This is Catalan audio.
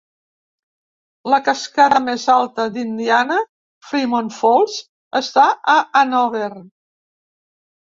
La cascada més alta d'Indiana, Fremont Falls, està a Hanover.